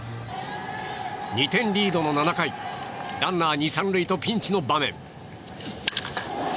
２点リードの７回ランナー２、３塁とピンチの場面。